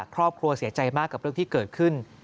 ครอบครัวเสียใจมากกับเรื่องที่เกิดขึ้น